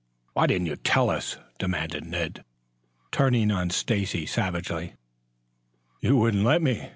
"Why didn't you tell us?" demanded Ned, turning on Stacy savagely. "You wouldn't let me.